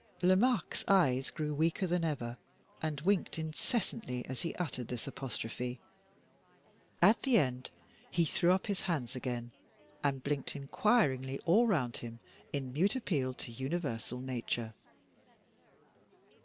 Lomaque's eyes grew weaker than ever, and winked incessantly as he uttered this apostrophe. At the end, he threw up his hands again, and blinked inquiringly all round him, in mute appeal to universal nature.